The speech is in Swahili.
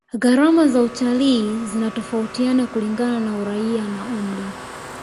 gharama za utalii zinatofautiana kulingana na uraia na umri